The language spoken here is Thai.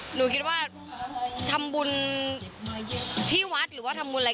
หนูคิดว่าทำบุญที่วัดหรือว่าทำบุญอะไร